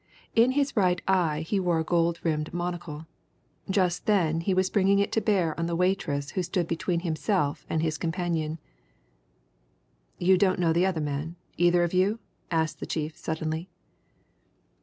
In his right eye he wore a gold rimmed monocle; just then he was bringing it to bear on the waitress who stood between himself and his companion. "You don't know the other man, either of you?" asked the chief suddenly.